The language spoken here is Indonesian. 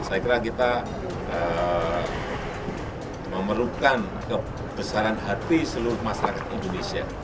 saya kira kita memerlukan kebesaran hati seluruh masyarakat indonesia